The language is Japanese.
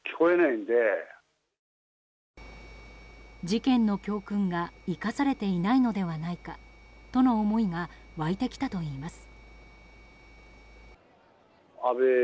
事件の教訓が生かされていないのではないかとの思いが湧いてきたといいます。